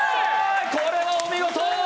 これはお見事！